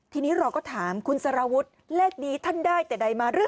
ทีนี้เราก็ถามคุณสารวุฒิเลขนี้ท่านได้แต่ใดมาหรือ